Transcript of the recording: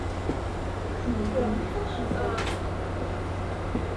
Ssnent mliḥ ad ceḍḥent.